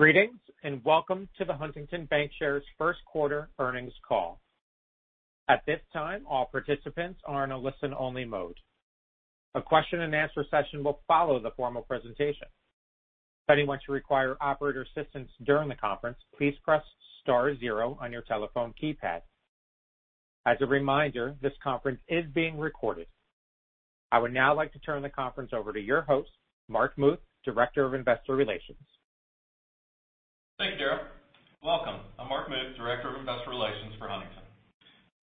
Greetings, and welcome to the Huntington Bancshares first quarter earnings call. At this time, all participants are in a listen-only mode. A question and answer session will follow the formal presentation. If anyone should require operator assistance during the conference, please press star zero on your telephone keypad. As a reminder, this conference is being recorded. I would now like to turn the conference over to your host, Mark Muth, Director of Investor Relations. Thank you, Daryl. Welcome. I'm Mark Muth, Director of Investor Relations for Huntington.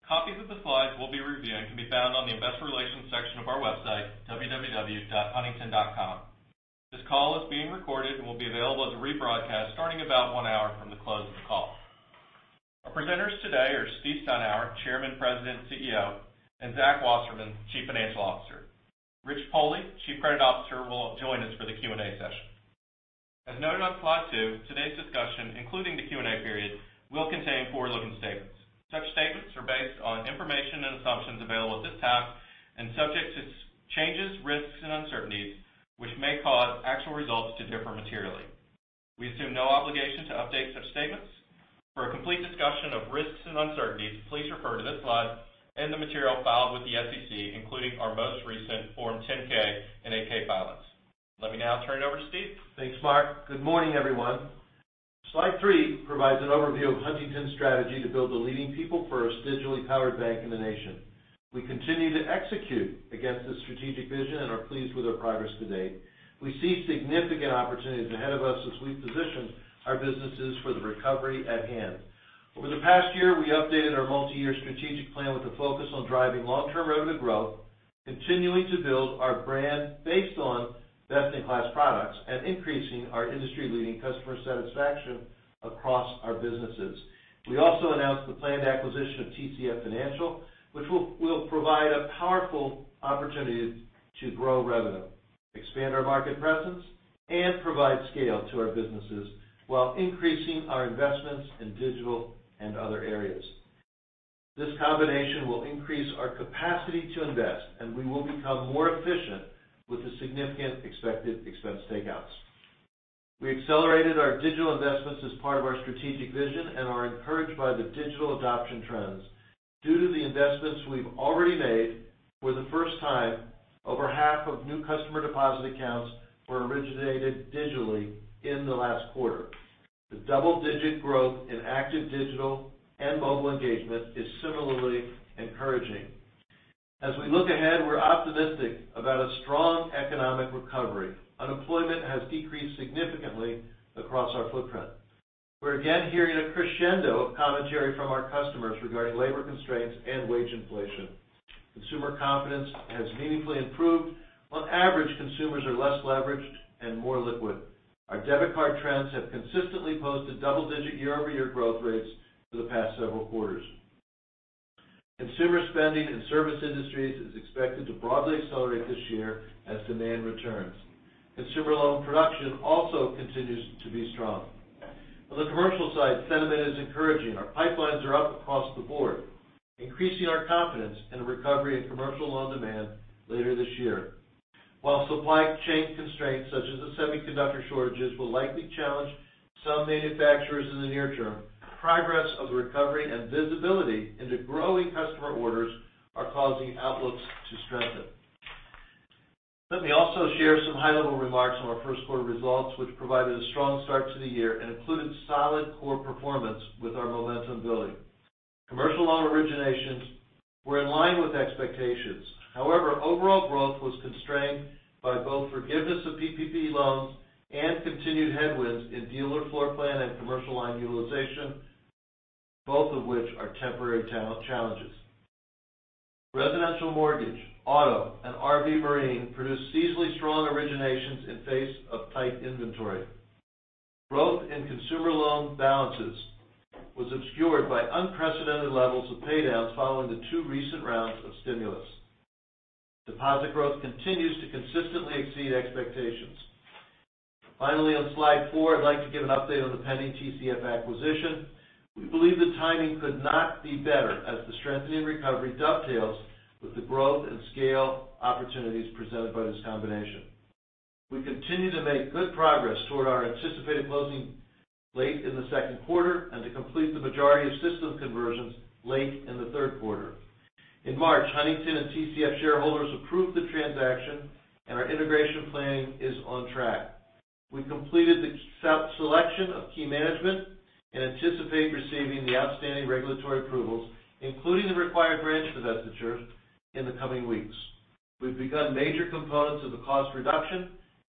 Copies of the slides we'll be reviewing can be found on the investor relations section of our website, www.huntington.com. This call is being recorded and will be available as a rebroadcast starting about one hour from the close of the call. Our presenters today are Steve Steinour, Chairman, President, CEO, and Zach Wasserman, Chief Financial Officer. Richard Pohle, Chief Credit Officer, will join us for the Q&A session. As noted on slide two, today's discussion, including the Q&A period, will contain forward-looking statements. Such statements are based on information and assumptions available at this time and subject to changes, risks, and uncertainties, which may cause actual results to differ materially. We assume no obligation to update such statements. For a complete discussion of risks and uncertainties, please refer to this slide and the material filed with the SEC, including our most recent Form 10-K and 8-K filings. Let me now turn it over to Stephen. Thanks, Mark. Good morning, everyone. Slide three provides an overview of Huntington's strategy to build the leading people first digitally powered bank in the nation. We continue to execute against this strategic vision and are pleased with our progress to date. We see significant opportunities ahead of us as we position our businesses for the recovery at hand. Over the past year, we updated our multi-year strategic plan with a focus on driving long-term revenue growth, continuing to build our brand based on best-in-class products, and increasing our industry-leading customer satisfaction across our businesses. We also announced the planned acquisition of TCF Financial, which will provide a powerful opportunity to grow revenue, expand our market presence, and provide scale to our businesses while increasing our investments in digital and other areas. This combination will increase our capacity to invest, and we will become more efficient with the significant expected expense takeouts. We accelerated our digital investments as part of our strategic vision and are encouraged by the digital adoption trends. Due to the investments we've already made, for the first time, over half of new customer deposit accounts were originated digitally in the last quarter. The double-digit growth in active digital and mobile engagement is similarly encouraging. As we look ahead, we're optimistic about a strong economic recovery. Unemployment has decreased significantly across our footprint. We're again hearing a crescendo of commentary from our customers regarding labor constraints and wage inflation. Consumer confidence has meaningfully improved. On average, consumers are less leveraged and more liquid. Our debit card trends have consistently posted double-digit year-over-year growth rates for the past several quarters. Consumer spending in service industries is expected to broadly accelerate this year as demand returns. Consumer loan production also continues to be strong. On the commercial side, sentiment is encouraging. Our pipelines are up across the board, increasing our confidence in a recovery in commercial loan demand later this year. While supply chain constraints, such as the semiconductor shortages, will likely challenge some manufacturers in the near term, progress of the recovery and visibility into growing customer orders are causing outlooks to strengthen. Let me also share some high-level remarks on our first quarter results, which provided a strong start to the year and included solid core performance with our momentum building. Commercial loan originations were in line with expectations. Overall growth was constrained by both forgiveness of PPP loans and continued headwinds in dealer floor plan and commercial line utilization, both of which are temporary challenges. Residential mortgage, auto, and RV marine produced seasonally strong originations in face of tight inventory. Growth in consumer loan balances was obscured by unprecedented levels of pay-downs following the two recent rounds of stimulus. Deposit growth continues to consistently exceed expectations. Finally, on slide four, I'd like to give an update on the pending TCF acquisition. We believe the timing could not be better as the strengthening recovery dovetails with the growth and scale opportunities presented by this combination. We continue to make good progress toward our anticipated closing late in the second quarter and to complete the majority of system conversions late in the third quarter. In March, Huntington and TCF shareholders approved the transaction, and our integration planning is on track. We completed the selection of key management and anticipate receiving the outstanding regulatory approvals, including the required branch divestiture, in the coming weeks. We've begun major components of the cost reduction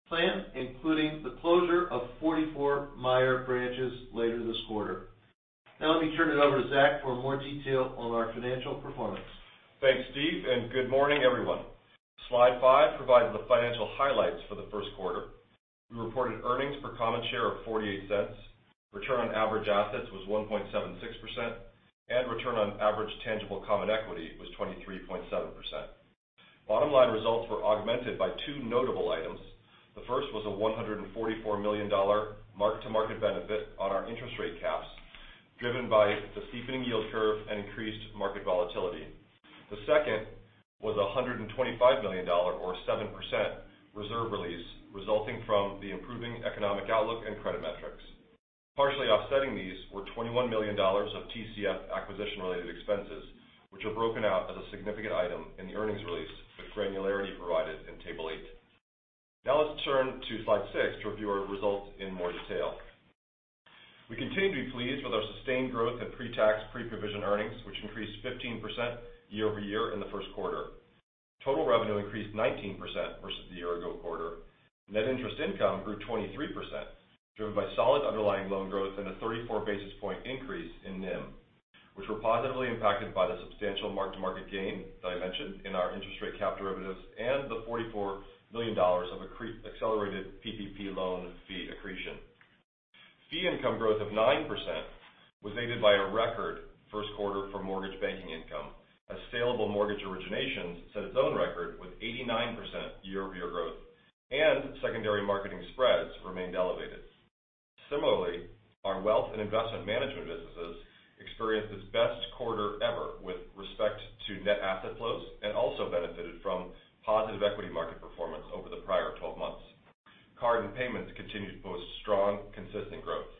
plan, including the closure of 44 Meijer branches later this quarter. Let me turn it over to Zach for more detail on our financial performance. Thanks, Stephen. Good morning, everyone. Slide five provides the financial highlights for the first quarter. We reported earnings per common share of $0.48, return on average assets was 1.76%, and return on average tangible common equity was 23.7%. Bottom-line results were augmented by two notable items. The first was a $144 million mark-to-market benefit on our interest rate caps. Driven by the steepening yield curve and increased market volatility. The second was $125 million, or 7%, reserve release resulting from the improving economic outlook and credit metrics. Partially offsetting these were $21 million of TCF acquisition-related expenses, which are broken out as a significant item in the earnings release with granularity provided in Table eight. Let's turn to slide six to review our results in more detail. We continue to be pleased with our sustained growth in pre-tax, pre-provision earnings, which increased 15% year-over-year in the first quarter. Total revenue increased 19% versus the year-ago quarter. Net interest income grew 23%, driven by solid underlying loan growth and a 34 basis point increase in NIM, which were positively impacted by the substantial mark-to-market gain that I mentioned in our interest rate cap derivatives and the $44 million of accelerated PPP loan fee accretion. Fee income growth of 9% was aided by a record first quarter for mortgage banking income, as saleable mortgage originations set its own record with 89% year-over-year growth and secondary marketing spreads remained elevated. Similarly, our wealth and investment management businesses experienced its best quarter ever with respect to net asset flows and also benefited from positive equity market performance over the prior 12 months. Card and payments continued to post strong, consistent growth.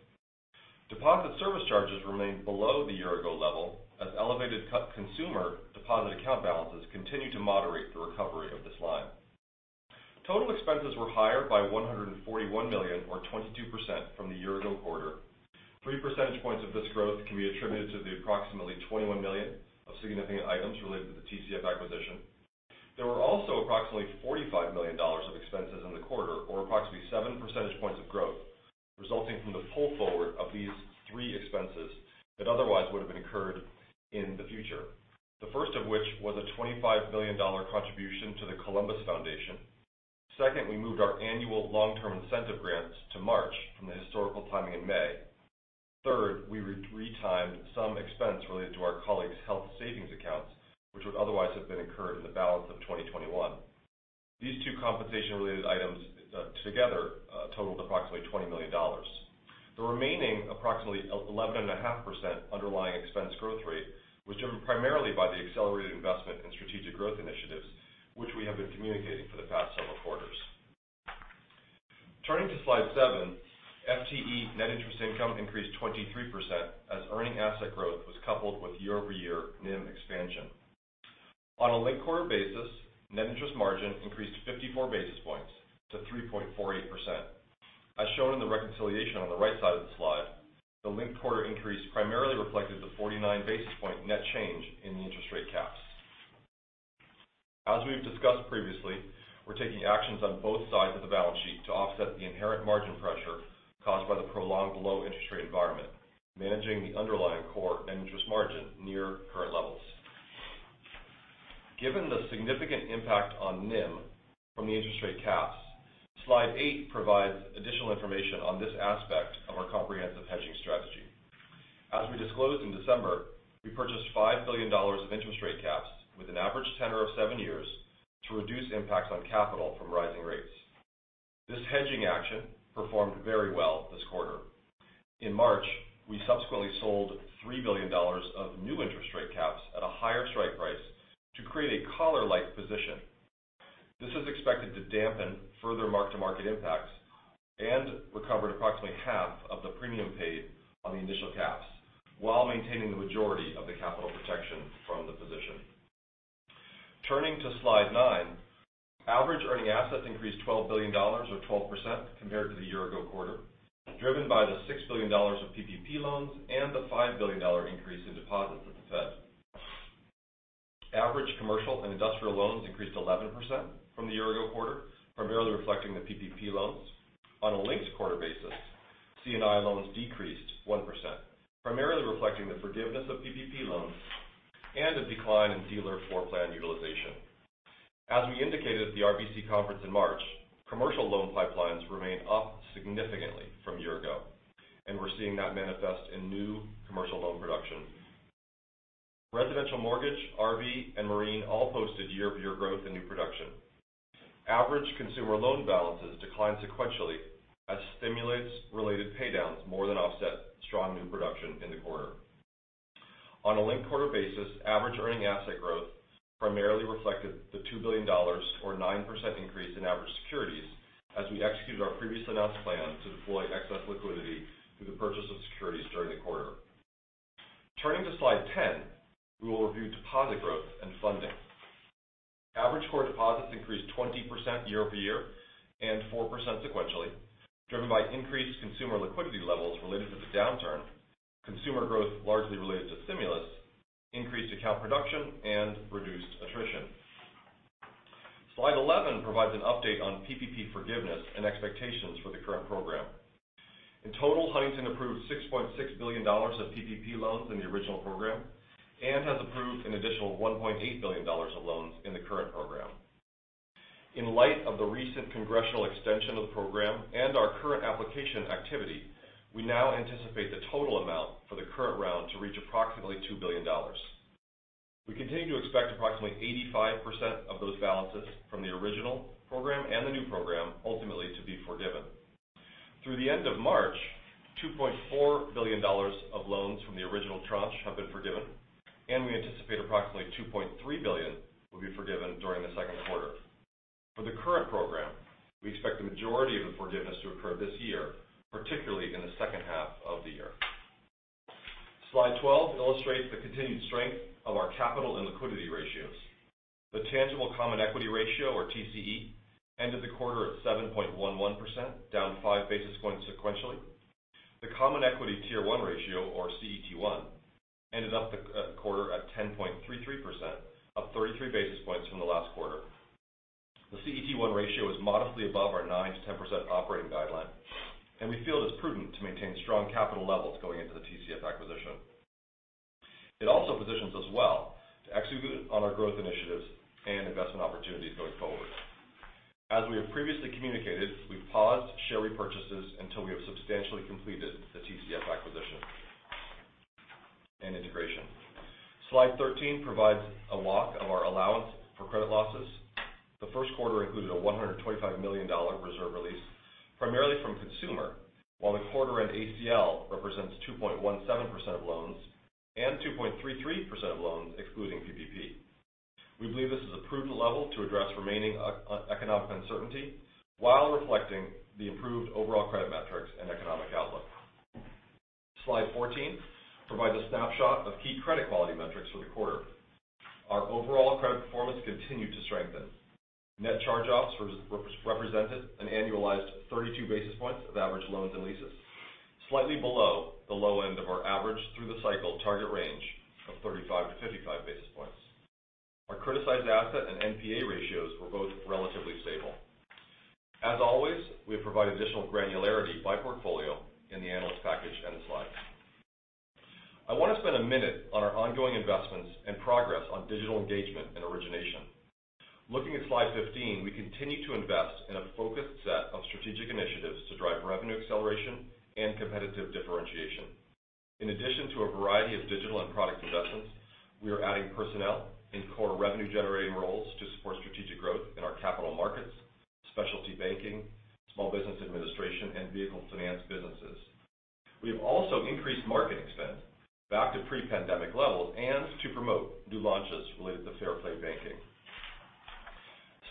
Deposit service charges remained below the year ago level as elevated consumer deposit account balances continued to moderate the recovery of this line. Total expenses were higher by $141 million or 22% from the year ago quarter. Three percentage points of this growth can be attributed to the approximately $21 million of significant items related to the TCF acquisition. There were also approximately $45 million of expenses in the quarter, or approximately 7 percentage points of growth, resulting from the pull forward of these three expenses that otherwise would've been incurred in the future. The first of which was a $25 million contribution to The Columbus Foundation. Second, we moved our annual long-term incentive grants to March from the historical timing in May. Third, we retimed some expense related to our colleagues' health savings accounts, which would otherwise have been incurred in the balance of 2021. These two compensation related items together totaled approximately $20 million. The remaining approximately 11.5% underlying expense growth rate was driven primarily by the accelerated investment in strategic growth initiatives, which we have been communicating for the past several quarters. Turning to slide seven, FTE net interest income increased 23% as earning asset growth was coupled with year-over-year NIM expansion. On a linked quarter basis, net interest margin increased 54 basis points to 3.48%. As shown in the reconciliation on the right side of the slide, the linked quarter increase primarily reflected the 49 basis point net change in the interest rate caps. As we've discussed previously, we're taking actions on both sides of the balance sheet to offset the inherent margin pressure caused by the prolonged low interest rate environment, managing the underlying core net interest margin near current levels. Given the significant impact on NIM from the interest rate caps, slide eight provides additional information on this aspect of our comprehensive hedging strategy. As we disclosed in December, we purchased $5 billion of interest rate caps with an average tenure of seven years to reduce impacts on capital from rising rates. This hedging action performed very well this quarter. In March, we subsequently sold $3 billion of new interest rate caps at a higher strike price to create a collar-like position. This is expected to dampen further mark-to-market impacts and recovered approximately half of the premium paid on the initial caps while maintaining the majority of the capital protection from the position. Turning to slide nine, average earning assets increased $12 billion or 12% compared to the year ago quarter, driven by the $6 billion of PPP loans and the $5 billion increase in deposits at the Fed. Average commercial and industrial loans increased 11% from the year ago quarter, primarily reflecting the PPP loans. On a linked quarter basis, C&I loans decreased 1%, primarily reflecting the forgiveness of PPP loans and a decline in dealer floor plan utilization. As we indicated at the RBC conference in March, commercial loan pipelines remain up significantly from a year ago. We're seeing that manifest in new commercial loan production. Residential mortgage, RV, and marine all posted year-over-year growth in new production. Average consumer loan balances declined sequentially as stimulus-related paydowns more than offset strong new production in the quarter. On a linked quarter basis, average earning asset growth primarily reflected the $2 billion or 9% increase in average securities as we executed our previously announced plan to deploy excess liquidity through the purchase of securities during the quarter. Turning to slide 10, we will review deposit growth and funding. Average core deposits increased 20% year-over-year and 4% sequentially, driven by increased consumer liquidity levels related to the downturn, consumer growth largely related to stimulus, increased account production, and reduced attrition. Slide 11 provides an update on PPP forgiveness and expectations for the current program. In total, Huntington approved $6.6 billion of PPP loans in the original program and has approved an additional $1.8 billion of loans in the current program. In light of the recent congressional extension of the program and our current application activity, we now anticipate the total amount for the current round to reach approximately $2 billion. We continue to expect approximately 85% of those balances from the original program and the new program ultimately to be forgiven. Through the end of March, $2.4 billion of loans from the original tranche have been forgiven, and we anticipate approximately $2.3 billion will be forgiven during the second quarter. For the current program, we expect the majority of the forgiveness to occur this year, particularly in the second half of the year. Slide 12 illustrates the continued strength of our capital and liquidity ratios. The tangible common equity ratio, or TCE, ended the quarter at 7.11%, down five basis points sequentially. The common equity tier one ratio, or CET1, ended up the quarter at 10.33%, up 33 basis points from the last quarter. The CET1 ratio is modestly above our 9%-10% operating guideline, and we feel it is prudent to maintain strong capital levels going into the TCF acquisition. It also positions us well to execute on our growth initiatives and investment opportunities going forward. As we have previously communicated, we've paused share repurchases until we have substantially completed the TCF acquisition and integration. Slide 13 provides a walk of our allowance for credit losses. The first quarter included a $125 million reserve release, primarily from consumer, while the quarter end ACL represents 2.17% of loans and 2.33% of loans excluding PPP. We believe this is a prudent level to address remaining economic uncertainty while reflecting the improved overall credit metrics and economic outlook. Slide 14 provides a snapshot of key credit quality metrics for the quarter. Our overall credit performance continued to strengthen. Net charge-offs represented an annualized 32 basis points of average loans and leases, slightly below the low end of our average through the cycle target range of 35-55 basis points. Our criticized asset and NPA ratios were both relatively stable. As always, we have provided additional granularity by portfolio in the analyst package end slides. I want to spend a minute on our ongoing investments and progress on digital engagement and origination. Looking at slide 15, we continue to invest in a focused set of strategic initiatives to drive revenue acceleration and competitive differentiation. In addition to a variety of digital and product investments, we are adding personnel in core revenue-generating roles to support strategic growth in our capital markets, specialty banking, Small Business Administration, and vehicle finance businesses. We have also increased marketing spend back to pre-pandemic levels and to promote new launches related to Fair Play Banking.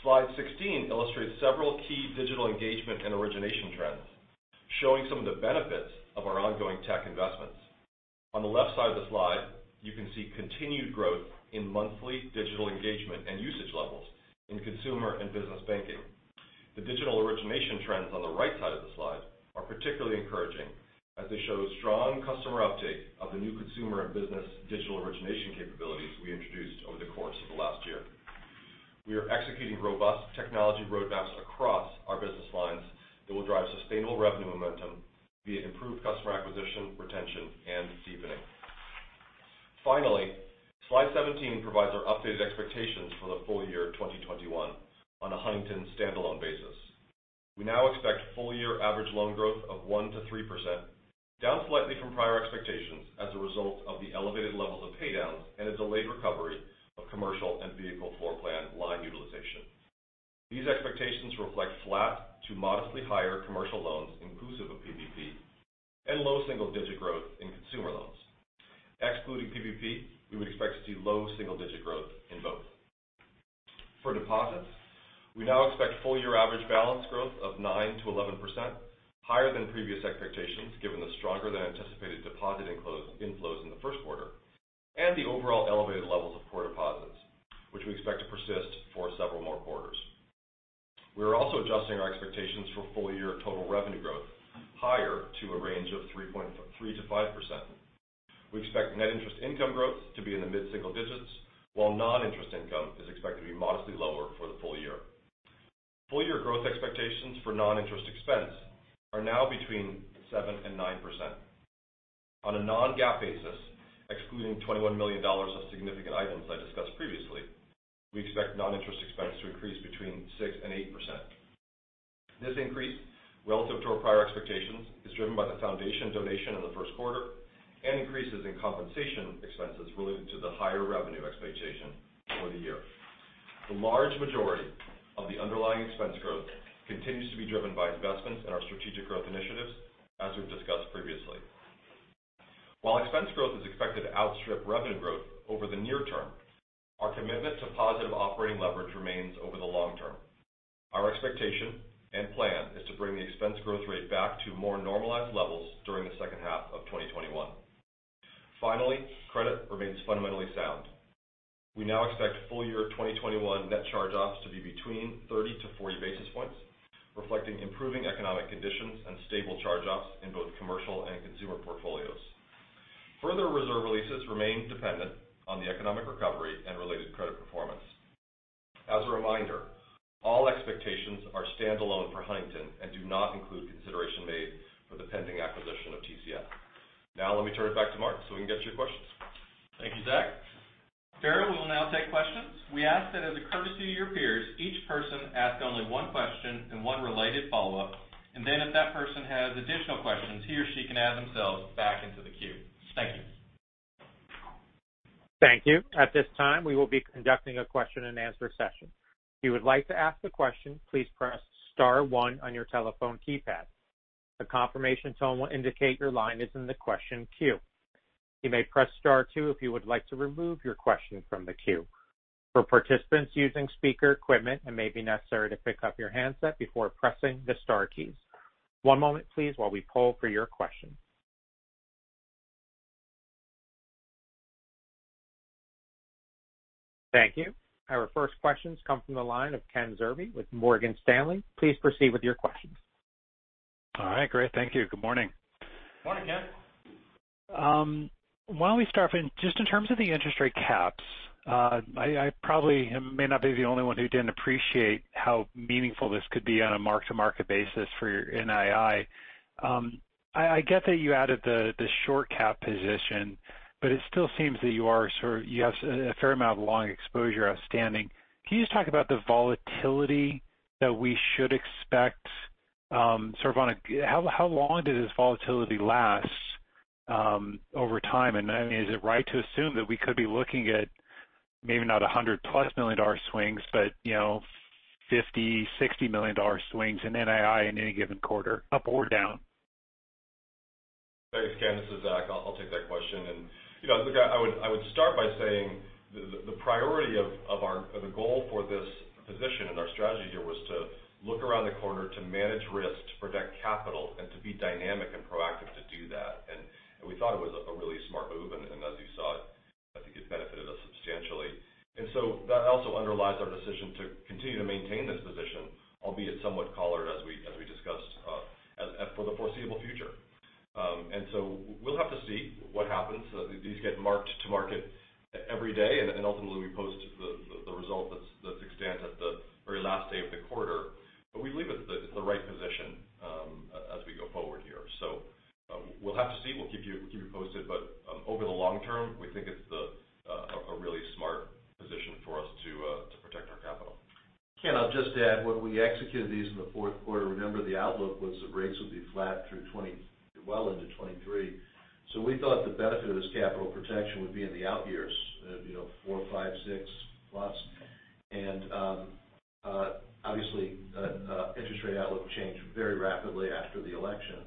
Slide 16 illustrates several key digital engagement and origination trends, showing some of the benefits of our ongoing tech investments. On the left side of the slide, you can see continued growth in monthly digital engagement and usage levels in consumer and business banking. The digital origination trends on the right side of the slide are particularly encouraging as they show strong customer uptake of the new consumer and business digital origination capabilities we introduced over the course of the last year. We are executing robust technology roadmaps across our business lines that will drive sustainable revenue momentum via improved customer acquisition, retention, and deepening. Finally, slide 17 provides our updated expectations for the full year 2021 on a Huntington standalone basis. We now expect full year average loan growth of 1%-3%, down slightly from prior expectations as a result of the elevated levels of pay downs and a delayed recovery of commercial and vehicle floor plan line utilization. These expectations reflect flat to modestly higher commercial loans inclusive of PPP and low single-digit growth in consumer loans. Excluding PPP, we would expect to see low single-digit growth in both. For deposits, we now expect full year average balance growth of 9%-11%, higher than previous expectations given the stronger than anticipated deposit inflows in the first quarter and the overall elevated levels of core deposits, which we expect to persist for several more quarters. We are also adjusting our expectations for full year total revenue growth higher to a range of 3%-5%. We expect net interest income growth to be in the mid single digits, while non-interest income is expected to be modestly lower for the full year. Full year growth expectations for non-interest expense are now between 7% and 9%. On a non-GAAP basis, excluding $21 million of significant items I discussed previously, we expect non-interest expense to increase between 6% and 8%. This increase relative to our prior expectations is driven by the foundation donation in the first quarter and increases in compensation expenses related to the higher revenue expectation for the year. The large majority of the underlying expense growth continues to be driven by investments in our strategic growth initiatives, as we've discussed previously. While expense growth is expected to outstrip revenue growth over the near term, our commitment to positive operating leverage remains over the long term. Our expectation and plan is to bring the expense growth rate back to more normalized levels during the second half of 2021. Finally, credit remains fundamentally sound. We now expect full year 2021 net charge-offs to be between 30-40 basis points, reflecting improving economic conditions and stable charge-offs in both commercial and consumer portfolios. Further reserve releases remain dependent on the economic recovery and related credit performance. As a reminder, all expectations are standalone for Huntington and do not include consideration made for the pending acquisition of TCF. Now let me turn it back to Mark so we can get to your questions. Thank you, Zach. Daryl, We ask that as a courtesy to your peers, each person ask only one question and one related follow-up, and then if that person has additional questions, he or she can add themselves back into the queue. Thank you. Thank you. At this time, we will be conducting a question and answer session. If you would like to ask a question, please press star one on your telephone keypad. A confirmation tone will indicate your line is in the question queue. You may press star two if you would like to remove your question from the queue. For participants using speaker equipment, it may be necessary to pick up your handset before pressing the star keys. One moment please while we poll for your question. Thank you. Our first questions come from the line of Ken Zerbe with Morgan Stanley. Please proceed with your questions. All right, great. Thank you. Good morning. Morning, Ken. Why don't we start, just in terms of the interest rate caps, I probably may not be the only one who didn't appreciate how meaningful this could be on a mark-to-market basis for your NII. I get that you added the short cap position, but it still seems that you have a fair amount of long exposure outstanding. Can you just talk about the volatility that we should expect? How long did this volatility last over time, and is it right to assume that we could be looking at maybe not $100+ million swings, but $50 million, $60 million swings in NII in any given quarter, up or down? Thanks, Zach. This is Zach. I'll take that question. Look, I would start by saying the priority of the goal for this position and our strategy here was to look around the corner, to manage risk, to protect capital, and to be dynamic and proactive to do that. We thought it was a really smart move, and as you saw, I think it benefited us substantially. That also underlies our decision to continue to maintain this position, albeit somewhat collared as we discussed for the foreseeable future. We'll have to see what happens. These get marked to market every day, and ultimately we post the result that's extant at the very last day of the quarter. We believe it's the right position as we go forward here. We'll have to see. We'll keep you posted, but over the long term, we think it's a really smart position for us to protect our capital. Ken, I'll just add, when we executed these in the fourth quarter, remember the outlook was that rates would be flat through well into 2023. We thought the benefit of this capital protection would be in the out years, four, five, six plus. Obviously, interest rate outlook changed very rapidly after the election.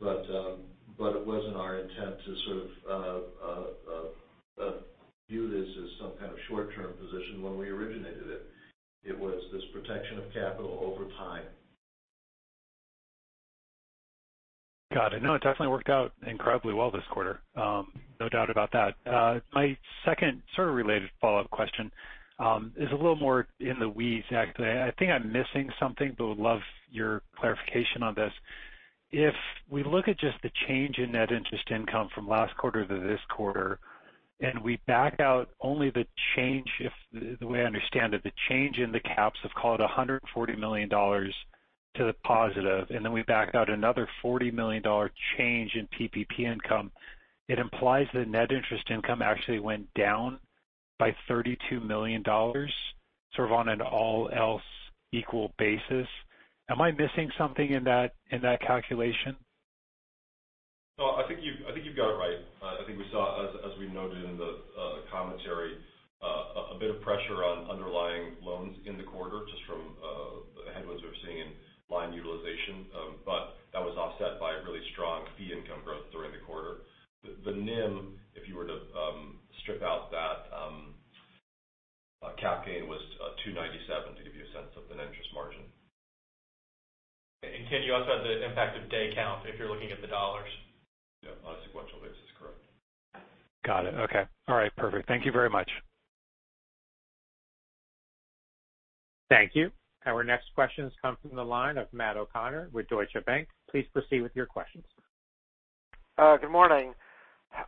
It wasn't our intent to view this as some kind of short-term position when we originated it. It was this protection of capital over time. Got it. No, it definitely worked out incredibly well this quarter. No doubt about that. My second related follow-up question is a little more in the weeds, Zach. I think I'm missing something but would love your clarification on this. If we look at just the change in net interest income from last quarter to this quarter, and we back out only the change, if the way I understand it, the change in the caps of, call it $140 million to the positive, and then we back out another $40 million change in PPP income, it implies that net interest income actually went down by $32 million on an all else equal basis. Am I missing something in that calculation? No, I think you've got it right. I think we saw, as we noted in the commentary, a bit of pressure on underlying loans in the quarter just from the headwinds we were seeing in line utilization. That was offset by a really strong fee income growth during the quarter. The NIM, if you were to strip out that cap gain, was 297 to give you a sense of the net interest margin. Ken, you also have the impact of day count if you're looking at the dollars. Yeah, on a sequential basis, correct. Got it. Okay. All right, perfect. Thank you very much. Thank you. Our next questions come from the line of Matt O'Connor with Deutsche Bank. Please proceed with your questions. Good morning.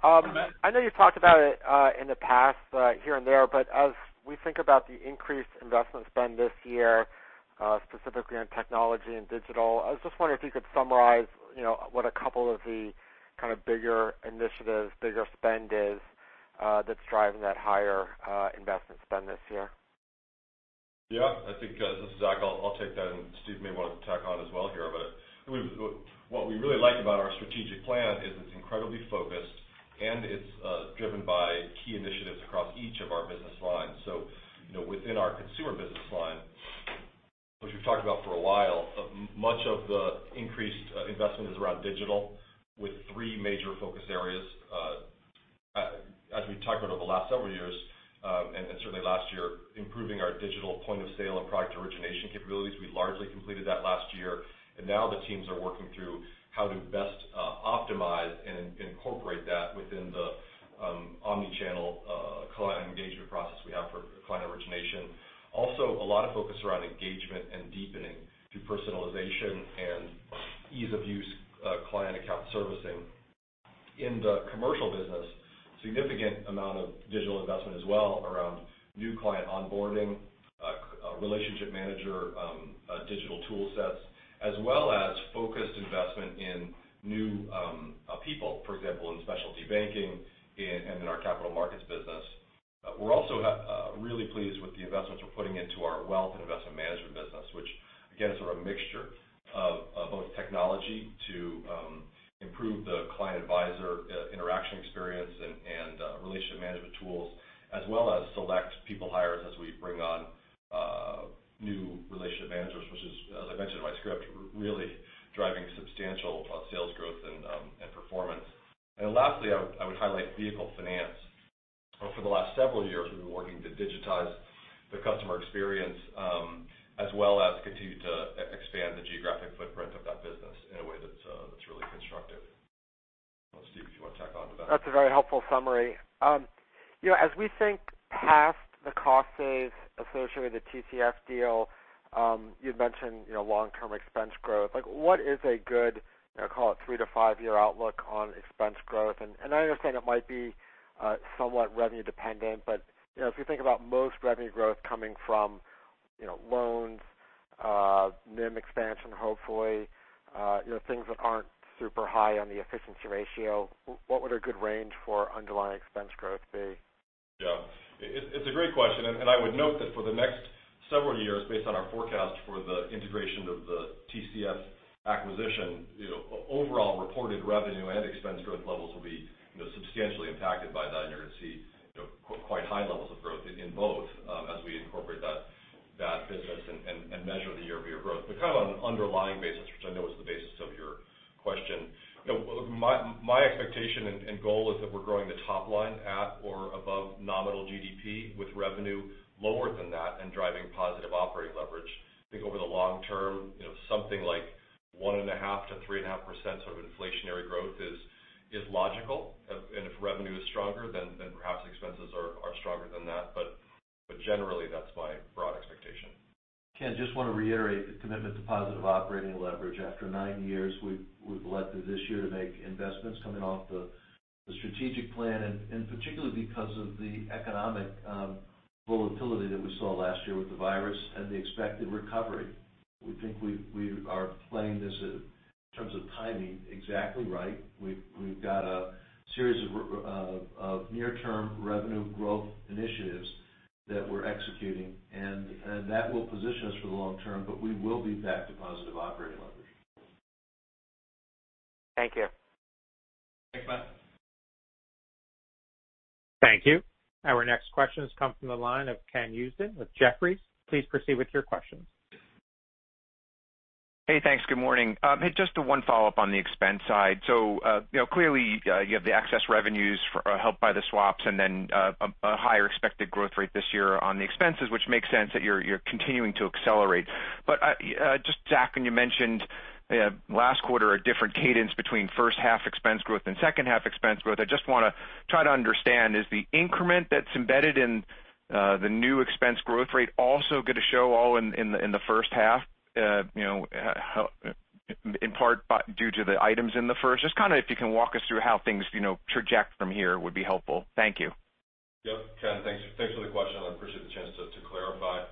Good morning. I know you've talked about it in the past here and there, but as we think about the increased investment spend this year, specifically on technology and digital, I was just wondering if you could summarize what a couple of the kind of bigger initiatives, bigger spend is that's driving that higher investment spend this year? Yeah. This is Zach. I'll take that, and Steve may want to tack on as well here. What we really like about our strategic plan is it's incredibly focused and it's driven by key initiatives across each of our business lines. Within our consumer business line, which we've talked about for a while, much of the increased investment is around digital with three major focus areas. As we've talked about over the last several years, and certainly last year, improving our digital point-of-sale and product origination capabilities. We largely completed that last year, and now the teams are working through how to best optimize and incorporate that within the omni-channel client engagement process we have for client origination. Also, a lot of focus around engagement and deepening through personalization and ease-of-use client account servicing. In the commercial business, significant amount of digital investment as well around new client onboarding relationship manager digital tool sets, as well as focused investment in new people. For example, in specialty banking and in our capital markets business. We're also really pleased with the investments we're putting into our wealth and investment management business, which again, is a mixture of both technology to improve the client advisor interaction experience and relationship management tools, as well as select people hires as we bring on new relationship managers, which is, as I mentioned in my script, really driving substantial sales growth and performance. Lastly, I would highlight vehicle finance. For the last several years, we've been working to digitize the customer experience, as well as continue to expand the geographic footprint of that business in a way that's really constructive. Steve, do you want to tack on to that? That's a very helpful summary. As we think past the cost saves associated with the TCF deal, you'd mentioned long-term expense growth. What is a good, call it, three to five-year outlook on expense growth? I understand it might be somewhat revenue dependent, but if you think about most revenue growth coming from loans, NIM expansion, hopefully, things that aren't super high on the efficiency ratio, what would a good range for underlying expense growth be? Yeah. It's a great question, and I would note that for the next several years, based on our forecast for the integration of the TCF acquisition, overall reported revenue and expense growth levels will be substantially impacted by that, and you're going to see quite high levels of growth in both as we incorporate that business and measure the year-over-year growth. On an underlying basis, which I know is the basis of your question, my expectation and goal is that we're growing the top line at or above nominal GDP with revenue lower than that and driving positive operating leverage. I think over the long term, something like 1.5%-3.5% sort of inflationary growth is logical, and if revenue is stronger, then perhaps expenses are stronger than that. Generally, that's my broad expectation. Zach, I just want to reiterate the commitment to positive operating leverage. After nine years, we've elected this year to make investments coming off the strategic plan, and particularly because of the economic volatility that we saw last year with the virus and the expected recovery. We think we are playing this, in terms of timing, exactly right. We've got a series of near-term revenue growth initiatives that we're executing, and that will position us for the long term, but we will be back to positive operating leverage. Thank you. Thanks, Matt. Thank you. Our next question comes from the line of Ken Usdin with Jefferies. Please proceed with your questions. Hey, thanks. Good morning. Just one follow-up on the expense side. Clearly, you have the excess revenues helped by the swaps and then a higher expected growth rate this year on the expenses, which makes sense that you're continuing to accelerate. Just, Zach, when you mentioned last quarter, a different cadence between first half expense growth and second half expense growth, I just want to try to understand, is the increment that's embedded in the new expense growth rate also going to show all in the first half, in part due to the items in the first? Just if you can walk us through how things traject from here would be helpful. Thank you. Yep. Ken, thanks for the question. I appreciate the chance to clarify.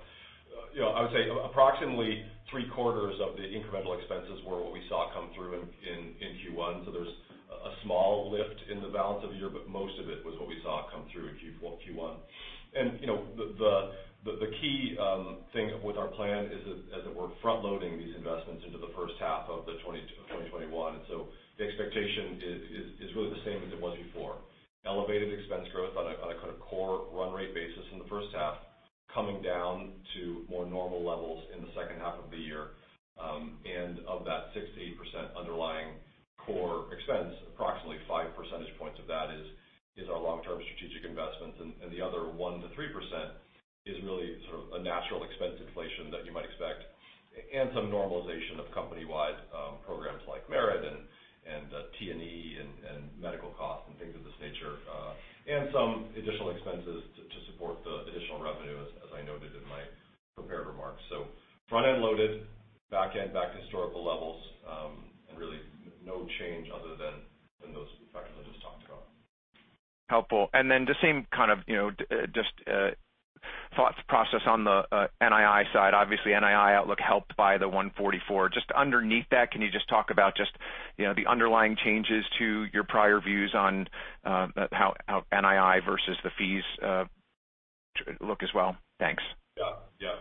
I would say approximately three-quarters of the incremental expenses were what we saw come through in Q1. There's a small lift in the balance of the year, but most of it was what we saw come through in Q1. The key thing with our plan is that as we're front-loading these investments into the first half of 2021, the expectation is really the same as it was before. Elevated expense growth on a kind of core run rate basis in the first half, coming down to more normal levels in the second half of the year. Of that 6%-8% underlying core expense, approximately five percentage points of that is our long-term strategic investments. The other 1%-3% is really sort of a natural expense inflation that you might expect and some normalization of company-wide programs like Merit and T&E and medical costs and things of this nature, and some additional expenses to support the additional revenue, as I noted in my prepared remarks. Front-end loaded, back end back to historical levels, and really no change other than those factors I just talked about. Helpful. The same kind of just thought process on the NIM side. Obviously, NIM outlook helped by the $144. Just underneath that, can you just talk about just the underlying changes to your prior views on how NIM versus the fees look as well? Thanks. Yeah.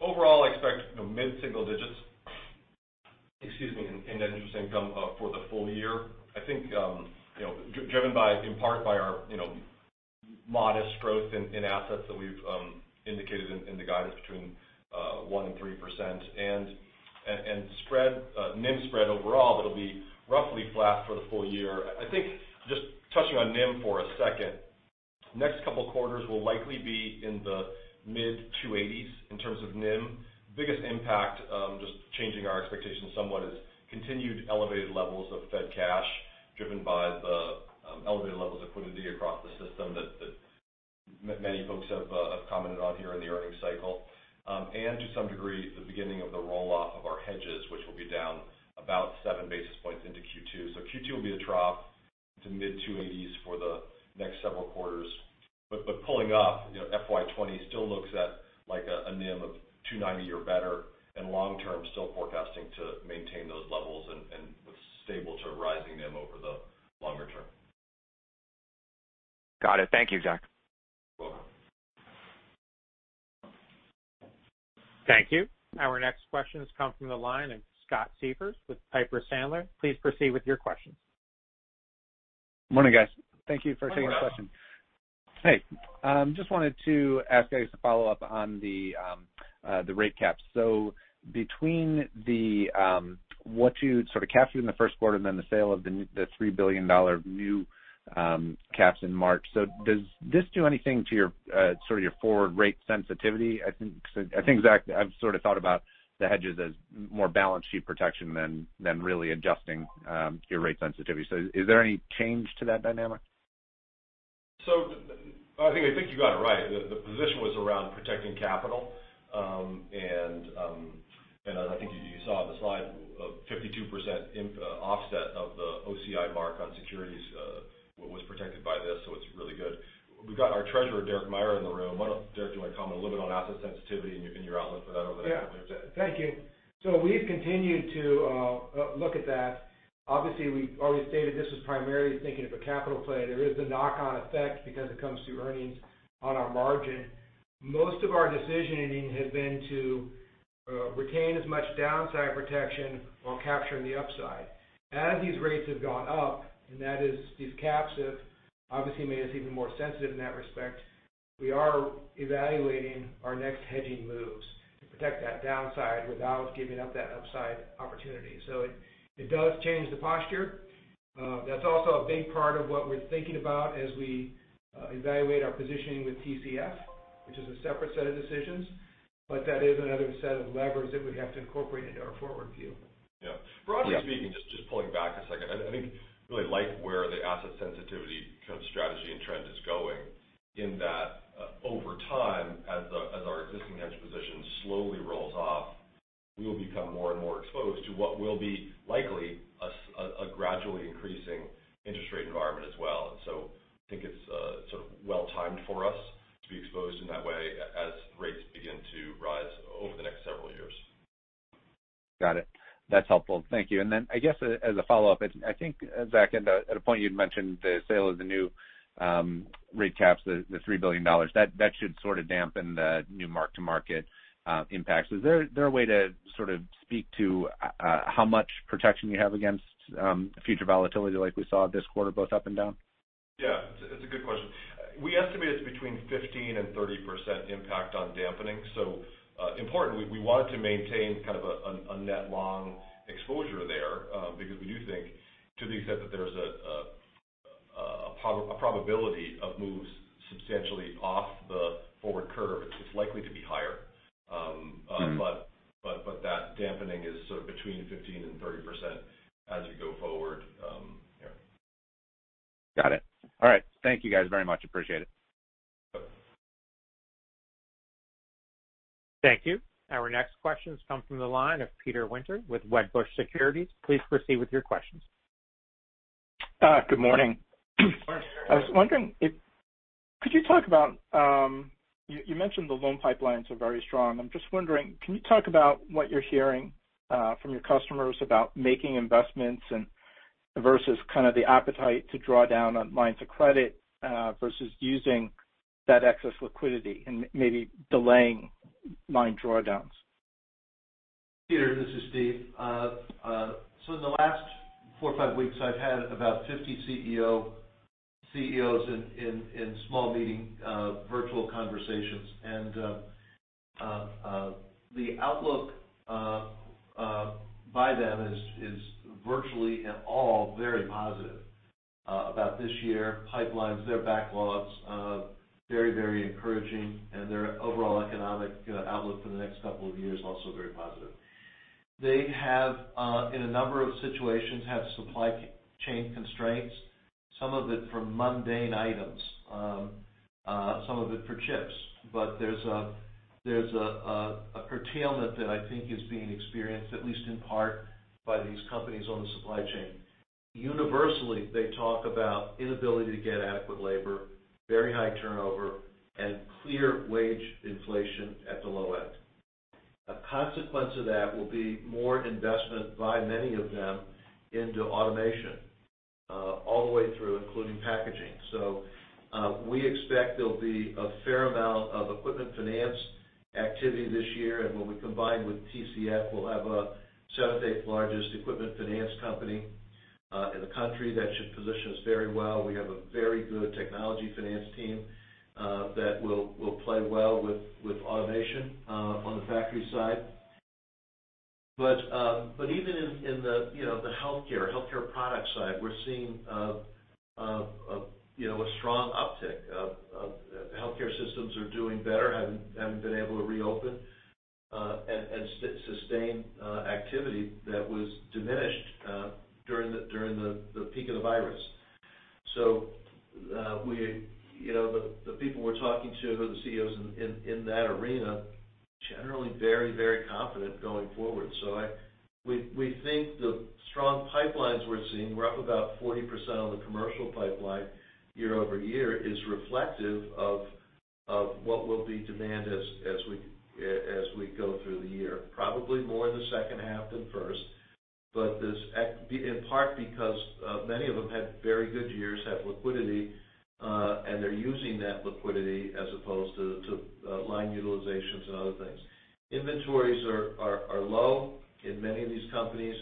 Overall, I expect mid-single digits, excuse me, in net interest income for the full year. I think driven in part by our modest growth in assets that we've indicated in the guidance between 1% and 3%. NIM spread overall, that'll be roughly flat for the full year. I think just touching on NIM for a second, next couple of quarters will likely be in the mid 280s in terms of NIM. Biggest impact, just changing our expectations somewhat is continued elevated levels of Fed cash, driven by the elevated levels of liquidity across the system that many folks have commented on here in the earnings cycle. To some degree, the beginning of the roll-off of our hedges, which will be down about seven basis points into Q2. Q2 will be a trough to mid 280s for the next several quarters. Pulling up, FY 2021 still looks at a NIM of 290 or better, and long term, still forecasting to maintain those levels and with stable to rising NIM over the longer term. Got it. Thank you, Zach. You're welcome. Thank you. Our next questions come from the line of Scott Siefers with Piper Sandler. Please proceed with your questions. Morning, guys. Thank you for taking the question. Morning. Hey. Just wanted to ask guys to follow up on the rate caps. Between what you sort of captured in the first quarter and then the sale of the $3 billion new caps in March, does this do anything to your forward rate sensitivity? I think, Zach, I've sort of thought about the hedges as more balance sheet protection than really adjusting your rate sensitivity. Is there any change to that dynamic? I think you got it right. The position was around protecting capital. I think you saw on the slide a 52% offset of the OCI mark on securities was protected by this. It's really good. We've got our Treasurer, Derek Meyer, in the room. Derek, do you want to comment a little bit on asset sensitivity and your outlook for that over the next year? Yeah. Thank you. We've continued to look at that. Obviously, we've always stated this was primarily thinking of a capital play. There is a knock-on effect because it comes through earnings on our margin. Most of our decisioning has been to retain as much downside protection while capturing the upside. As these rates have gone up, and these caps have obviously made us even more sensitive in that respect, we are evaluating our next hedging moves to protect that downside without giving up that upside opportunity. It does change the posture. That's also a big part of what we're thinking about as we evaluate our positioning with TCF, which is a separate set of decisions, but that is another set of levers that we have to incorporate into our forward view. Yeah. Broadly speaking, just pulling back a second, I think really like where the asset sensitivity kind of strategy and trend is going in that over time, as our existing hedge position slowly rolls off, we will become more and more exposed to what will be likely a gradually increasing interest rate environment as well. I think it's sort of well timed for us to be exposed in that way as rates begin to rise over the next several years. Got it. That's helpful. Thank you. I guess as a follow-up, I think, Zach, at a point you'd mentioned the sale of the new rate caps, the $3 billion. That should sort of dampen the new mark-to-market impacts. Is there a way to sort of speak to how much protection you have against future volatility like we saw this quarter, both up and down? Yeah. It's a good question. We estimate it's between 15% and 30% impact on dampening. Importantly, we wanted to maintain kind of a net long exposure there because we do think to the extent that there's a probability of moves substantially off the forward curve, it's likely to be higher. That dampening is sort of between 15% and 30% as we go forward. Yeah. Got it. All right. Thank you guys very much. Appreciate it. You're welcome. Thank you. Our next questions come from the line of Peter Winter with Wedbush Securities. Please proceed with your questions. Good morning. Morning. You mentioned the loan pipelines are very strong. I'm just wondering, can you talk about what you're hearing from your customers about making investments versus kind of the appetite to draw down on lines of credit versus using that excess liquidity and maybe delaying line drawdowns? Peter, this is Stephen. In the last four or five weeks, I've had about 50 CEOs in small meeting virtual conversations. The outlook by them is virtually in all very positive about this year. Pipelines, their backlogs, very encouraging, and their overall economic outlook for the next couple of years, also very positive. They have, in a number of situations, have supply chain constraints, some of it for mundane items, some of it for chips. There's a curtailment that I think is being experienced, at least in part, by these companies on the supply chain. Universally, they talk about inability to get adequate labor, very high turnover, and clear wage inflation at the low end. A consequence of that will be more investment by many of them into automation all the way through, including packaging. We expect there'll be a fair amount of equipment finance activity this year. When we combine with TCF, we'll have a seventh or eighth largest equipment finance company in the country. That should position us very well. We have a very good technology finance team that will play well with automation on the factory side. Even in the healthcare product side, we're seeing a strong uptick. Healthcare systems are doing better, having been able to reopen and sustain activity that was diminished during the peak of the virus. The people we're talking to who are the CEOs in that arena Generally very, very confident going forward. We think the strong pipelines we're seeing, we're up about 40% on the commercial pipeline year-over-year, is reflective of what will be demand as we go through the year. Probably more in the second half than first. In part because many of them had very good years, have liquidity, and they're using that liquidity as opposed to line utilizations and other things. Inventories are low in many of these companies,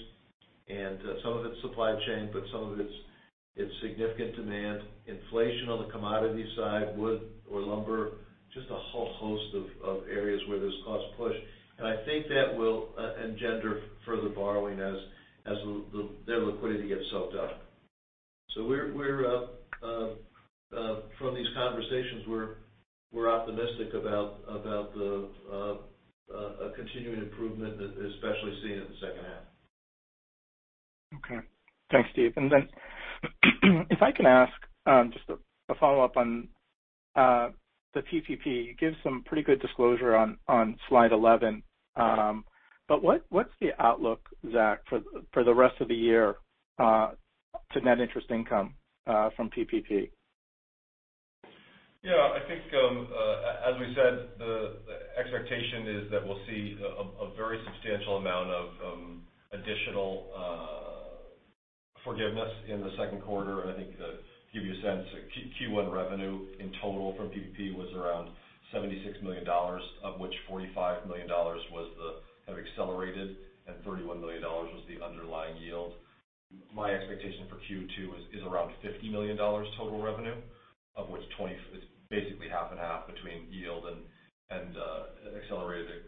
and some of it's supply chain, but some of it's significant demand. Inflation on the commodity side, wood or lumber, just a whole host of areas where there's cost push. I think that will engender further borrowing as their liquidity gets soaked up. From these conversations, we're optimistic about a continuing improvement, especially seen in the second half. Okay. Thanks, Stephen. If I can ask just a follow-up on the PPP. You give some pretty good disclosure on Slide 11. What's the outlook, Zach, for the rest of the year to net interest income from PPP? Yeah, I think as we said, the expectation is that we'll see a very substantial amount of additional forgiveness in the second quarter. I think to give you a sense, Q1 revenue in total from PPP was around $76 million, of which $45 million was the kind of accelerated, and $31 million was the underlying yield. My expectation for Q2 is around $50 million total revenue, of which it's basically half and half between yield and the acceleration.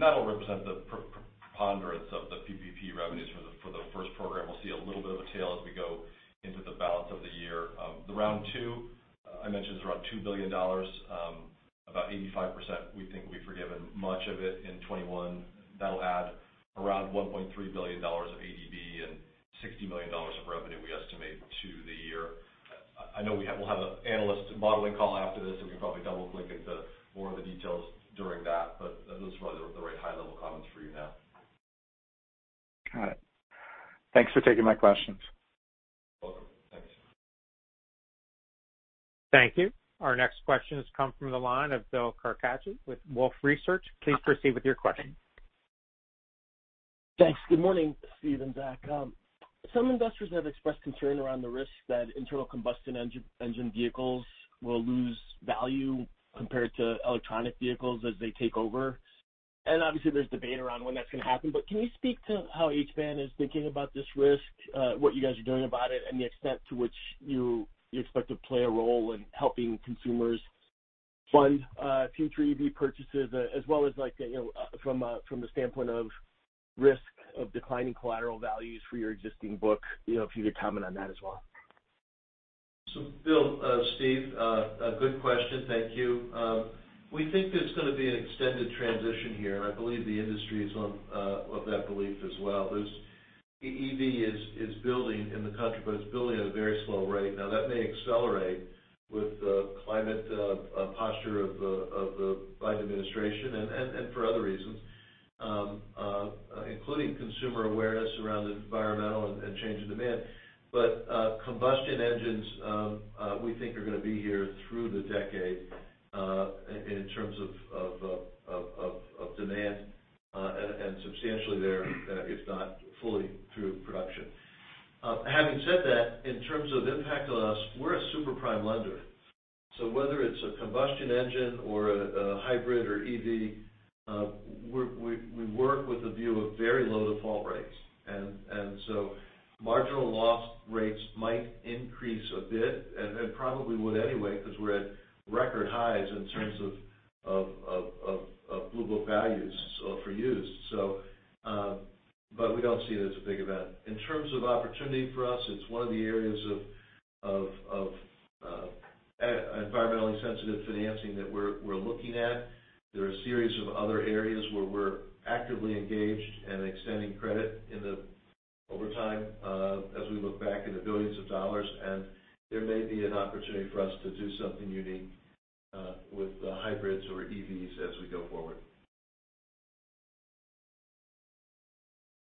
That'll represent the preponderance of the PPP revenues for the first program. We'll see a little bit of a tail as we go into the balance of the year. The round two I mentioned is around $2 billion. About 85% we think will be forgiven, much of it in 2021. That'll add around $1.3 billion of ADB and $60 million of revenue we estimate to the year. I know we'll have an analyst modeling call after this, and we can probably double-click into more of the details during that. Those are the right high-level comments for you now. Got it. Thanks for taking my questions. Welcome. Thanks. Thank you. Our next question has come from the line of Bill Carcache with Wolfe Research. Please proceed with your question. Thanks. Good morning, Steve and Zach. Some investors have expressed concern around the risk that internal combustion engine vehicles will lose value compared to electronic vehicles as they take over. Obviously, there's debate around when that's going to happen. Can you speak to how each bank is thinking about this risk, what you guys are doing about it, and the extent to which you expect to play a role in helping consumers fund future EV purchases? From the standpoint of risk of declining collateral values for your existing book, if you could comment on that as well. Bill, Stephen, good question. Thank you. We think there's going to be an extended transition here, and I believe the industry is of that belief as well. EV is building in the country, but it's building at a very slow rate. That may accelerate with the climate posture of the Biden administration, and for other reasons, including consumer awareness around environmental and change in demand. Combustion engines, we think are going to be here through the decade in terms of demand, and substantially there, if not fully through production. Having said that, in terms of impact on us, we're a super prime lender. Whether it's a combustion engine or a hybrid or EV, we work with the view of very low default rates. Marginal loss rates might increase a bit, and probably would anyway because we're at record highs in terms of Blue Book values for used. We don't see it as a big event. In terms of opportunity for us, it's one of the areas of environmentally sensitive financing that we're looking at. There are a series of other areas where we're actively engaged and extending credit over time as we look back in the billions of dollars, and there may be an opportunity for us to do something unique with hybrids or EVs as we go forward.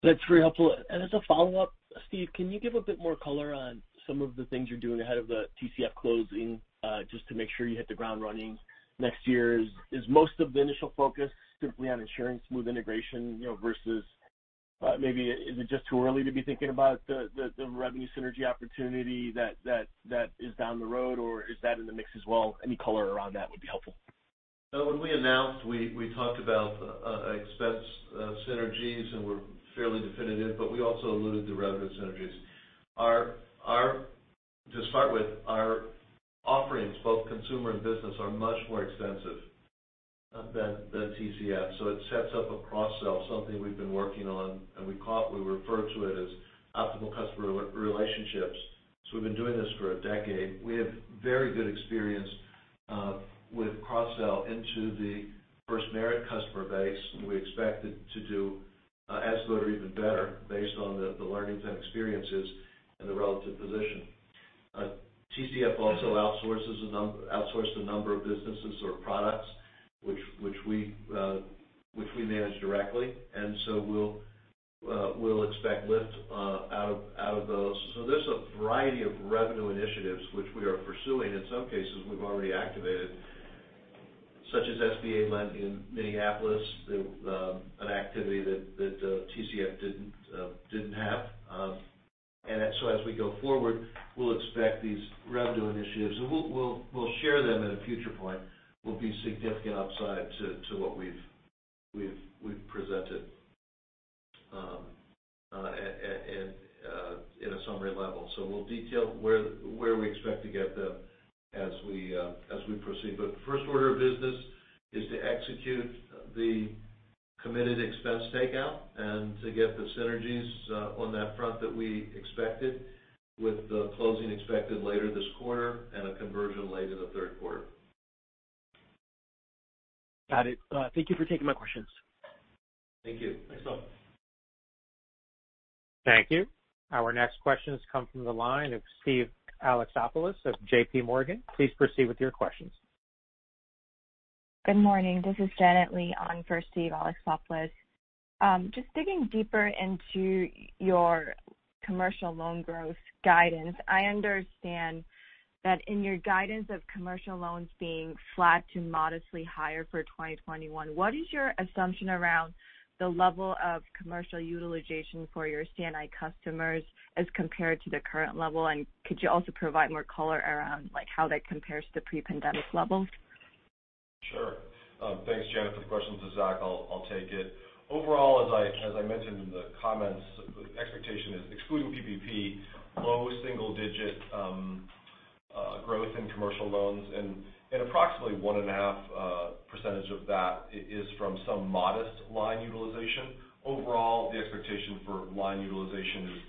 That's very helpful. As a follow-up, Stephen, can you give a bit more color on some of the things you're doing ahead of the TCF closing just to make sure you hit the ground running next year? Is most of the initial focus simply on ensuring smooth integration versus maybe is it just too early to be thinking about the revenue synergy opportunity that is down the road, or is that in the mix as well? Any color around that would be helpful. When we announced, we talked about expense synergies, and we're fairly definitive, but we also alluded to revenue synergies. To start with, our offerings, both consumer and business, are much more extensive than TCF. It sets up a cross-sell, something we've been working on, and we refer to it as optimal customer relationships. We've been doing this for a decade. We have very good experience with cross-sell into the FirstMerit customer base. We expect it to do As good or even better based on the learnings and experiences and the relative position. TCF also outsourced a number of businesses or products which we manage directly. We'll expect lift out of those. There's a variety of revenue initiatives which we are pursuing. In some cases, we've already activated, such as SBA lending in Minneapolis, an activity that TCF didn't have. As we go forward, we'll expect these revenue initiatives, and we'll share them at a future point, will be significant upside to what we've presented in a summary level. We'll detail where we expect to get them as we proceed. The first order of business is to execute the committed expense takeout and to get the synergies on that front that we expected with the closing expected later this quarter and a conversion late in the third quarter. Got it. Thank you for taking my questions. Thank you. Thanks a lot. Thank you. Our next questions come from the line of Steven Alexopoulos of JPMorgan. Please proceed with your questions. Good morning. This is Janet Lee on for Steven Alexopoulos. Just digging deeper into your commercial loan growth guidance. I understand that in your guidance of commercial loans being flat to modestly higher for 2021, what is your assumption around the level of commercial utilization for your C&I customers as compared to the current level? Could you also provide more color around how that compares to pre-pandemic levels? As I mentioned in the comments, expectation is excluding PPP, low single-digit growth in commercial loans, and approximately 1.5 percentage of that is from some modest line utilization. The expectation for line utilization is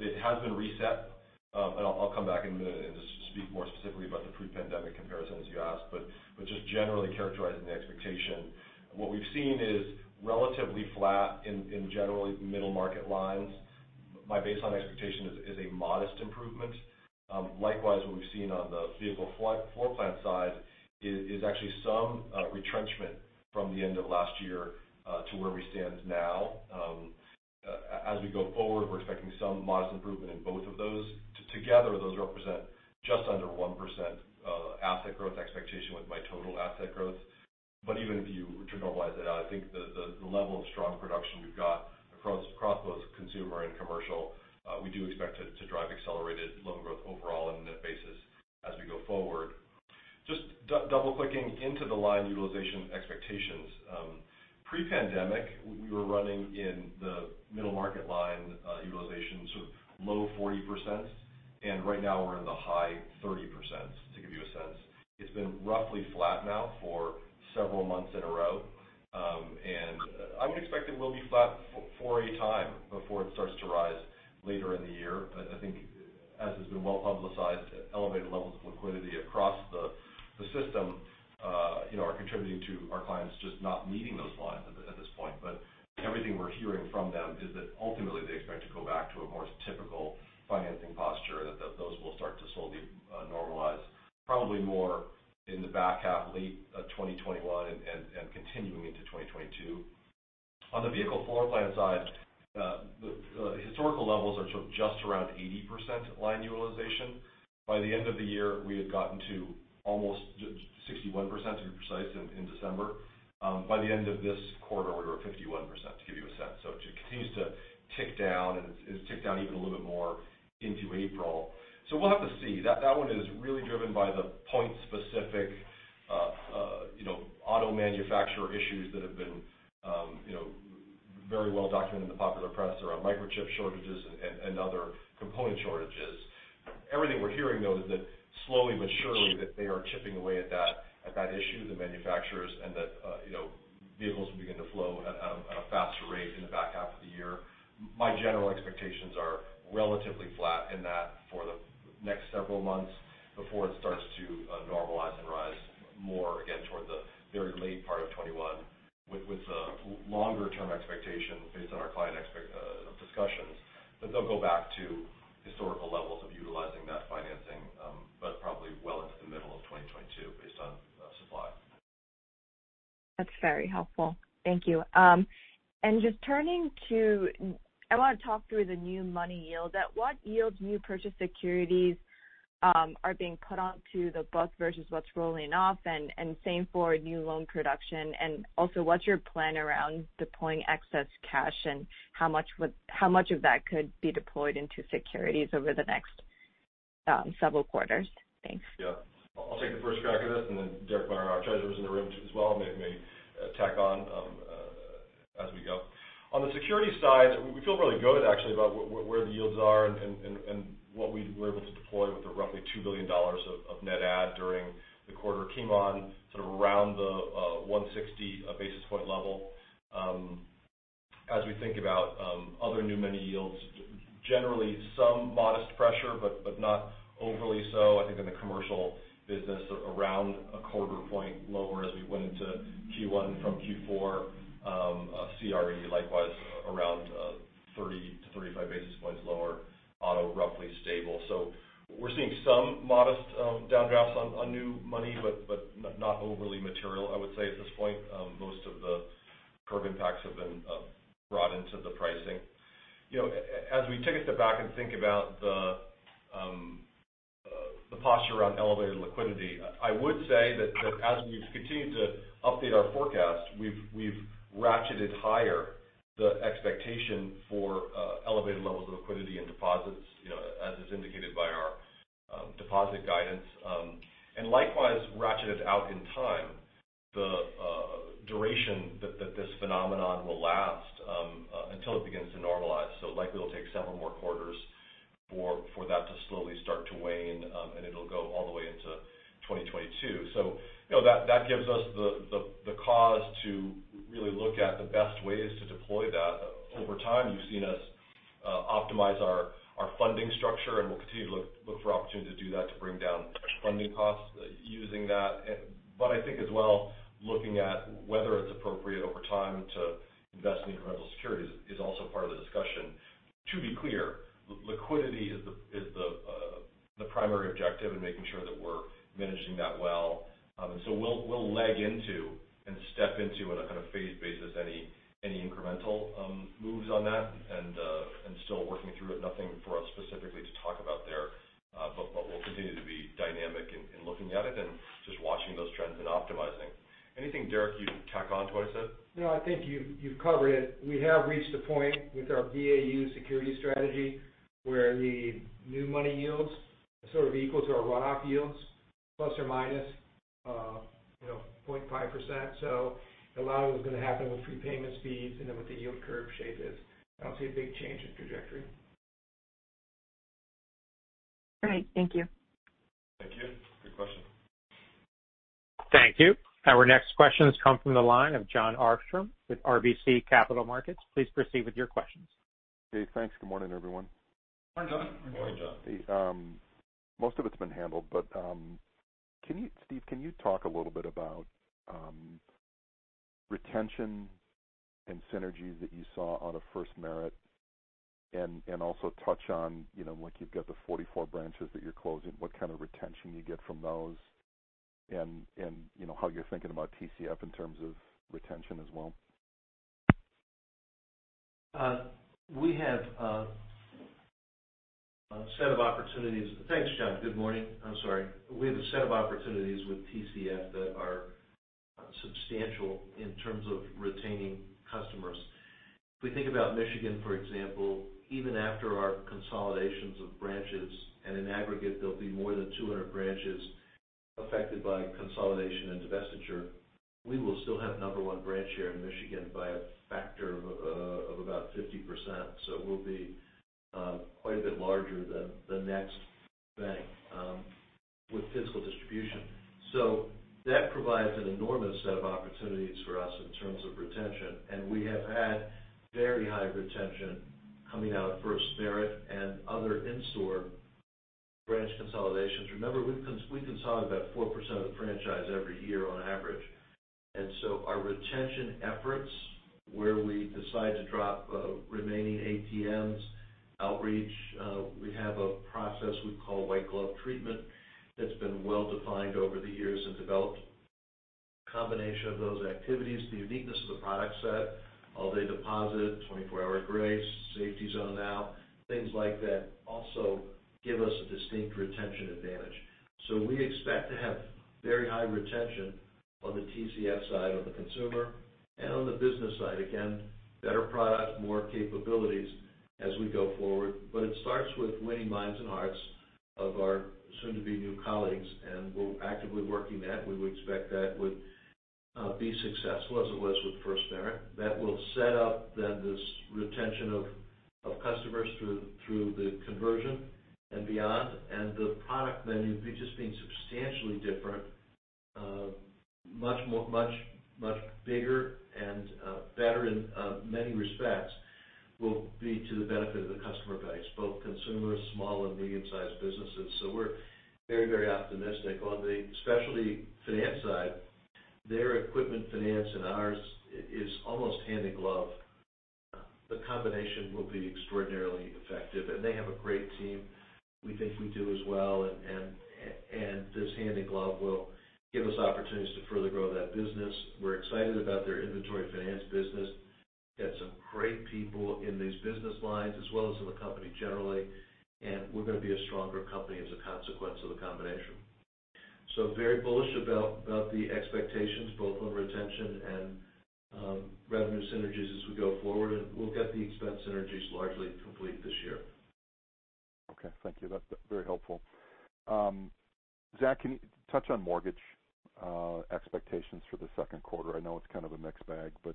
it has been reset. I'll come back in a minute and just speak more specifically about the pre-pandemic comparison as you asked. Just generally characterizing the expectation. What we've seen is relatively flat in generally middle market lines. My baseline expectation is a modest improvement. Likewise, what we've seen on the vehicle floor plan side is actually some retrenchment from the end of last year to where we stand now. As we go forward, we're expecting some modest improvement in both of those. Together, those represent just under 1% asset growth expectation with my total asset growth. Even if you trim all that, I think the level of strong production we've got across both consumer and commercial, we do expect to drive accelerated loan growth overall and net basis as we go forward. Just double-clicking into the line utilization expectations. Pre-pandemic, we were running in the middle market line utilization, so low 40%, and right now we're in the high 30%, to give you a sense. It's been roughly flat now for several months in a row. I would expect it will be flat for a time before it starts to rise later in the year. I think as has been well-publicized, elevated levels of liquidity across the system are contributing to our clients just not meeting those lines at this point. Everything we're hearing from them is that ultimately they expect to go back to a more typical financing posture, that those will start to slowly normalize, probably more in the back half late 2021 and continuing into 2022. On the vehicle floor plan side, the historical levels are just around 80% line utilization. By the end of the year, we had gotten to almost 61%, to be precise, in December. By the end of this quarter, we were 51%, to give you a sense. So it continues to tick down, and it's ticked down even a little bit more into April. So we'll have to see. That one is really driven by the point-specific auto manufacturer issues that have been very well documented in the popular press around microchip shortages and other component shortages. Everything we're hearing, though, is that slowly but surely, that they are chipping away at that issue, the manufacturers, and that vehicles will begin to flow at a faster rate in the back half of the year. My general expectations are relatively flat in that for the next several months before it starts to normalize and rise more again towards the very late part of 2021, with the longer-term expectation based on our client discussions that they'll go back to historical levels of utilizing that financing, but probably well into the middle of 2022 based on supply. That's very helpful. Thank you. I want to talk through the new money yield. At what yield new purchase securities are being put onto the book versus what's rolling off? Same for new loan production. Also, what's your plan around deploying excess cash, and how much of that could be deployed into securities over the next several quarters? Thanks. Yeah. I'll take the first crack at this, and then Derek Meyer, our Treasurer, is in the room, too, as well, may tack on as we go. On the security side, we feel really good actually about where the yields are and what we were able to deploy with the roughly $2 billion of net add during the quarter. Came on sort of around the 160 basis points level. Other new money yields, generally some modest pressure, but not overly so. I think in the commercial business, around a quarter point lower as we went into Q1 from Q4. CRE likewise around 30-35 basis points lower. Auto, roughly stable. We're seeing some modest downdrafts on new money, but not overly material, I would say at this point. Most of the curve impacts have been brought into the pricing. As we take a step back and think about the posture around elevated liquidity, I would say that as we've continued to update our forecast, we've ratcheted higher the expectation for elevated levels of liquidity and deposits, as is indicated by our deposit guidance. Likewise, ratcheted out in time the duration that this phenomenon will last until it begins to normalize. Likely will take several more quarters for that to slowly start to wane, and it'll go all the way into 2022. That gives us the cause to really look at the best ways to deploy that. Over time, you've seen us optimize our funding structure, and we'll continue to look for opportunities to do that, to bring down funding costs using that. I think as well, looking at whether it's appropriate over time to invest in incremental securities is also part of the discussion. To be clear, liquidity is the primary objective and making sure that we're managing that well. We'll leg into and step into on a kind of phase basis any incremental moves on that and still working through it. Nothing for us specifically to talk about there. We'll continue to be dynamic in looking at it and just watching those trends and optimizing. Anything, Derek, you'd tack on to what I said? No, I think you've covered it. We have reached a point with our BAU security strategy where the new money yields sort of equal to our run-off yields ±0.5%. A lot of it is going to happen with prepayment speeds and then what the yield curve shape is. I don't see a big change in trajectory. Great. Thank you. Thank you. Good question. Thank you. Our next questions come from the line of Jon Arfstrom with RBC Capital Markets. Please proceed with your questions. Okay, thanks. Good morning, everyone. Morning, Jon. Morning, Jon. Most of it's been handled, but Steve, can you talk a little bit about retention and synergies that you saw out of FirstMerit and also touch on, like you've got the 44 branches that you're closing, what kind of retention you get from those and how you're thinking about TCF in terms of retention as well? Thanks, Jon. Good morning. I'm sorry. We have a set of opportunities with TCF that are substantial in terms of retaining customers. If we think about Michigan, for example, even after our consolidations of branches, and in aggregate, there'll be more than 200 branches affected by consolidation and divestiture. We will still have number one branch share in Michigan by a factor of about 50%, so we'll be quite a bit larger than the next bank with physical distribution. That provides an enormous set of opportunities for us in terms of retention, and we have had very high retention coming out of FirstMerit and other in-store branch consolidations. Remember, we consolidate about 4% of the franchise every year on average. Our retention efforts, where we decide to drop remaining ATMs, outreach, we have a process we call white glove treatment that's been well-defined over the years and developed. Combination of those activities, the uniqueness of the product set, all-day deposit, 24-hour grace, safety zone now, things like that also give us a distinct retention advantage. We expect to have very high retention on the TCF side, on the consumer, and on the business side. Again, better product, more capabilities as we go forward. It starts with winning minds and hearts of our soon-to-be new colleagues, and we're actively working that. We would expect that would be successful as it was with FirstMerit. That will set up then this retention of customers through the conversion and beyond. The product then just being substantially different, much bigger and better in many respects will be to the benefit of the customer base, both consumers, small and medium-sized businesses. We're very, very optimistic. On the specialty finance side, their equipment finance and ours is almost hand in glove. The combination will be extraordinarily effective, and they have a great team. We think we do as well, and this hand in glove will give us opportunities to further grow that business. We're excited about their inventory finance business. They've got some great people in these business lines as well as in the company generally, and we're going to be a stronger company as a consequence of the combination. Very bullish about the expectations both on retention and revenue synergies as we go forward. We'll get the expense synergies largely complete this year. Okay. Thank you. That's very helpful. Zach, can you touch on mortgage expectations for the second quarter? I know it's kind of a mixed bag, but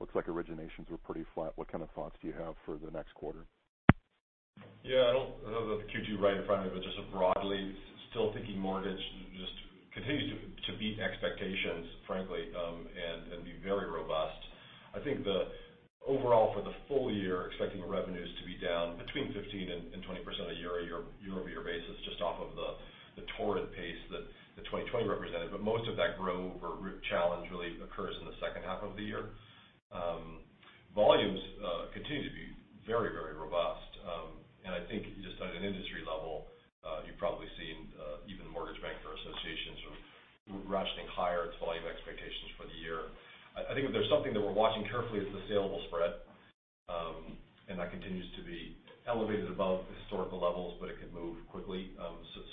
looks like originations were pretty flat. What kind of thoughts do you have for the next quarter? Yeah, I don't have the Q2 right in front of me, but just broadly still thinking mortgage just continues to beat expectations, frankly, and be very robust. I think the overall for the full year, expecting the revenues to be down between 15% and 20% on a year-over-year basis, just off of the torrent pace that 2020 represented. Most of that grow over challenge really occurs in the second half of the year. Volumes continue to be very robust. I think just at an industry level, you've probably seen even the Mortgage Bankers Association sort of ratcheting higher its volume expectations for the year. I think if there's something that we're watching carefully is the saleable spread, and that continues to be elevated above historical levels, but it can move quickly.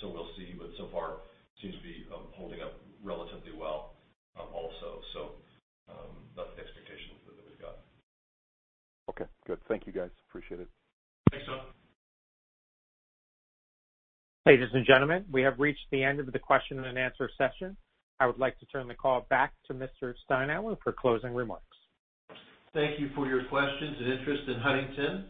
We'll see. So far, seems to be holding up relatively well also. That's the expectations that we've got. Okay, good. Thank you, guys. Appreciate it. Thanks, Jon. Ladies and gentlemen, we have reached the end of the question and answer session. I would like to turn the call back to Mr. Steinour for closing remarks. Thank you for your questions and interest in Huntington.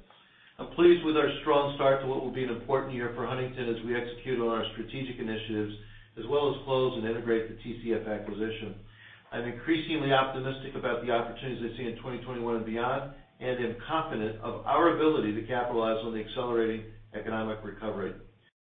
I'm pleased with our strong start to what will be an important year for Huntington as we execute on our strategic initiatives, as well as close and integrate the TCF acquisition. I'm increasingly optimistic about the opportunities I see in 2021 and beyond, and am confident of our ability to capitalize on the accelerating economic recovery.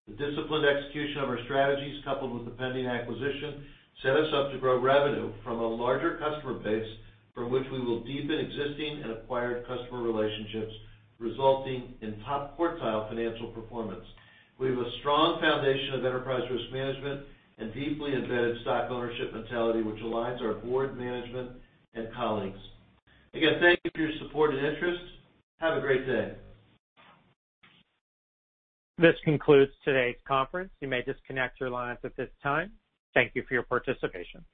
The disciplined execution of our strategies coupled with the pending acquisition set us up to grow revenue from a larger customer base from which we will deepen existing and acquired customer relationships, resulting in top quartile financial performance. We have a strong foundation of enterprise risk management and deeply embedded stock ownership mentality, which aligns our board, management, and colleagues. Again, thank you for your support and interest. Have a great day. This concludes today's conference. You may disconnect your lines at this time. Thank you for your participation.